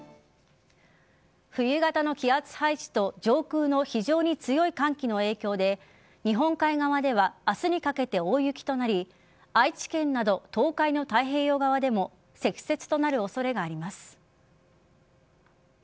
冬型の気圧配置と上空の非常に強い寒気の影響で日本海側では明日にかけて大雪となり愛知県など東海の太平洋側でも積雪となる恐れがあります。